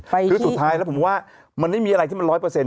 คือสุดท้ายแล้วผมว่ามันไม่มีอะไรที่มันร้อยเปอร์เซ็น